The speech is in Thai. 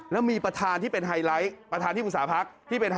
แล้วมีประธานที่เป็นไฮไลท์